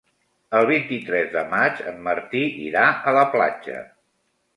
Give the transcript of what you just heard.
El vint-i-tres de maig en Martí irà a la platja.